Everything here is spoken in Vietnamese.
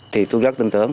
thì tôi rất tin tưởng